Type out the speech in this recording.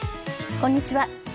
こんにちは。